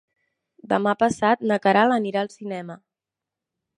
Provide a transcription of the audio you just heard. Demà passat na Queralt anirà al cinema.